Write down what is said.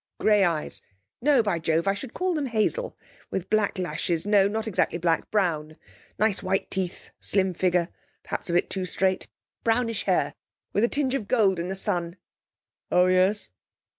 'Grey eyes no, by Jove! I should call them hazel, with black lashes, no, not exactly black brown. Nice, white teeth, slim figure perhaps a bit too straight. Brownish hair with a tinge of gold in the sun.' 'Oh yes.'